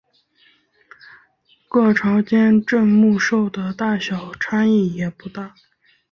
各朝间镇墓兽的大小差异也不大。